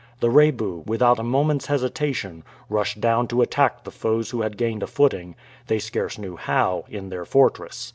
The Rebu, without a moment's hesitation, rushed down to attack the foes who had gained a footing, they scarce knew how, in their fortress.